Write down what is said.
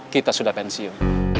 kita sudah pensiun